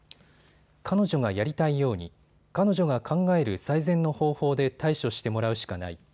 彼女がやりたいように彼女が考える最善の方法で対処してもらうしかない。